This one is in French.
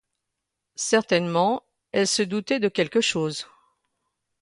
Certainement, elle se doutait de quelque chose.